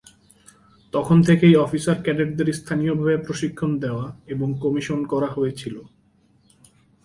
তখন থেকেই অফিসার ক্যাডেটদের স্থানীয়ভাবে প্রশিক্ষণ দেওয়া এবং কমিশন করা হয়েছিলো।